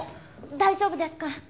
大丈夫ですか？